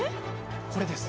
これです！